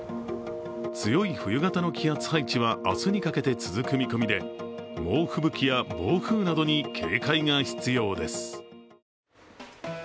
強い冬型の気圧配置は明日にかけて続く見込みで、猛吹雪や暴風などに警戒が必要です。